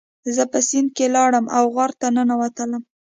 زه په سیند کې لاړم او غار ته ننوتلم.